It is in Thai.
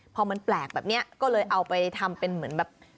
พอมันแปลกแบบนี้ก็เลยเอาไปทำเป็นเหมือนแบบ